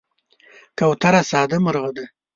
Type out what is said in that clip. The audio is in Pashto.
کوتره ساده مرغه ده.